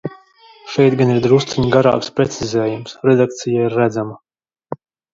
Šeit gan ir drusciņ garāks precizējums, redakcija ir redzama.